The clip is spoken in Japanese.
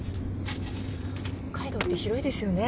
北海道って広いですよね。